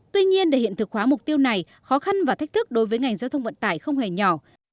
tuy nhiên để hiện thực hóa mục tiêu này khó khăn và thách thức đối với ngành giao thông vận tải không hề nhỏ